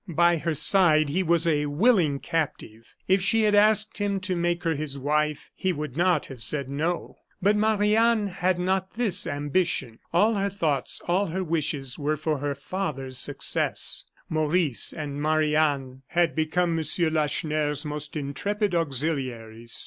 By her side he was a willing captive. If she had asked him to make her his wife he would not have said no. But Marie Anne had not this ambition. All her thoughts, all her wishes were for her father's success. Maurice and Marie Anne had become M. Lacheneur's most intrepid auxiliaries.